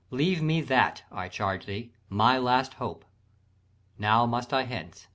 Leave me that, I charge thee, my last hope. Now must I hence. ...